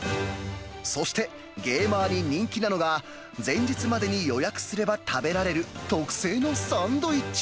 そして、ゲーマーに人気なのが、前日までに予約すれば食べられる特製のサンドイッチ。